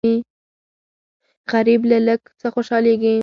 غریب له لږ څه خوشالېږي